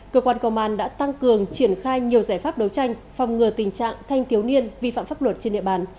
cơ quan công an đã tăng cường triển khai nhiều giải pháp đấu tranh phòng ngừa tình trạng thanh thiếu niên vi phạm pháp luật trên địa bàn